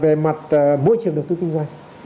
về mặt môi trường đầu tư kinh doanh